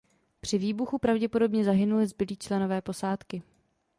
Při výbuchu pravděpodobně zahynuli zbylí členové posádky.